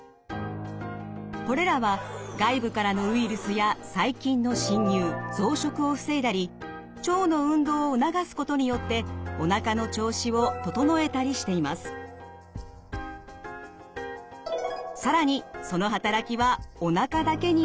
これらは外部からのウイルスや細菌の侵入増殖を防いだり腸の運動を促すことによって更にその働きはおなかだけにはとどまりません。